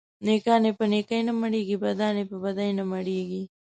نيکان يې په نيکي نه مړېږي ، بدان يې په بدي نه مړېږي.